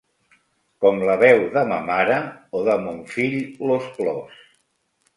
Com la veu de ma mare o de mon fill los plors.